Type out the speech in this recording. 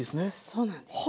そうなんです。